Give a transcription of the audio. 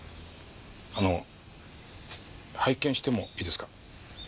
あの拝見してもいいですか？